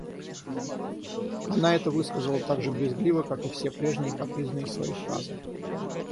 Она это высказала так же брезгливо, как и все прежние капризные свои фразы.